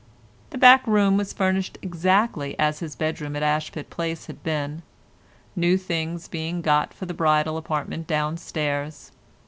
The back room was furnished exactly as his bedroom at Ashpit Place had been—new things being got for the bridal apartment downstairs.